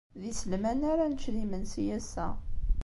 D iselman ara nečč d imensi ass-a.